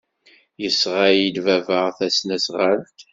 Yesɣa-iyi-d baba tasnasɣalt.